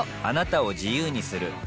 あなたを自由にする